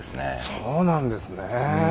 そうなんですね。